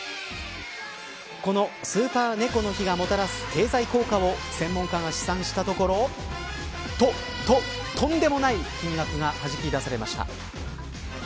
この、スーパー猫の日がもたらす経済効果を専門家が試算したところとんでもない金額がはじき出されました。